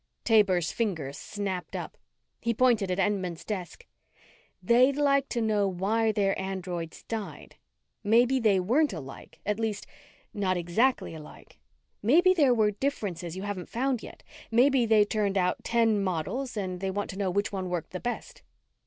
Taber's finger snapped up. He pointed at Entman's desk. "They'd like to know why their androids died. Maybe they weren't alike at least, not exactly alike. Maybe there were differences you haven't found yet maybe they turned out ten models and they want to know which one worked the best."